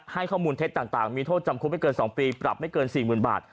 ให้ข้อมูลเท็จต่างมีโทษจำคุกไม่เกิน๒ปีปรับไม่เกิน๔๐๐๐บาท